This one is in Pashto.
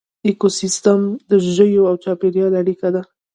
ایکوسیسټم د ژویو او چاپیریال اړیکه ده